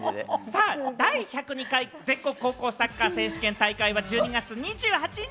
第１０２回全国高校サッカー選手権大会は１２月２８日